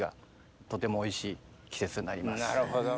なるほど。